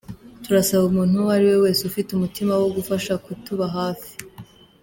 Turasaba umuntu uwo ari we wese ufite umutima wo gufasha kutuba hafi.